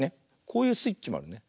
こういうスイッチもあるね。